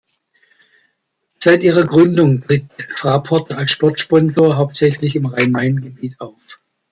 Seit ihrer Gründung tritt Fraport als Sport-Sponsor, hauptsächlich im Rhein-Main-Gebiet, auf.